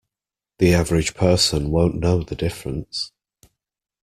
The average person won't know the difference.